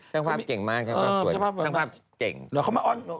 ช่างภาพเก่งมากช่างภาพนั้น